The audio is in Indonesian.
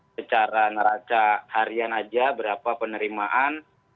secara naraca harian aja berapa penerimaan